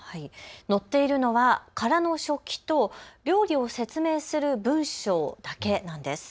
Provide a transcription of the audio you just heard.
載っているのは空の食器と料理を説明する文章だけなんです。